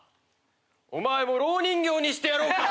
「お前も蝋人形にしてやろうか！」